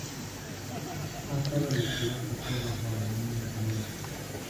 Más tarde, la ciudad pasó bajo dominio otomano.